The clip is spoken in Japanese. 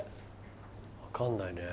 分かんないねぇ。